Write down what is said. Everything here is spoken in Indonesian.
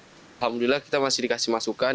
alhamdulillah kita masih dikasih masukan